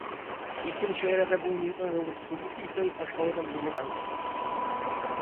ისინი შეიარაღებულნი იყვნენ როგორც მსუბუქი ისევე საშუალო და მძიმე ტანკებით.